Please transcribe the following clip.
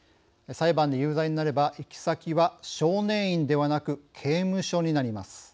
裁判で有罪になれば行き先は少年院ではなく刑務所になります。